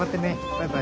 バイバイ。